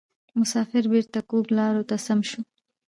مسافر بیرته کږو لارو ته سم سو